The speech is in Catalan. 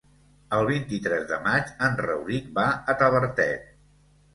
El vint-i-tres de maig en Rauric va a Tavertet.